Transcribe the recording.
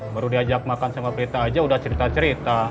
baru diajak makan sama berita aja udah cerita cerita